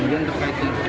kemudian terkait dengan